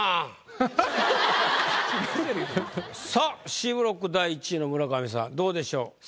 いやさあＣブロック第１位の村上さんどうでしょう？